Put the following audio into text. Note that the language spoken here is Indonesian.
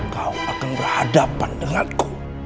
kau akan berhadapan denganku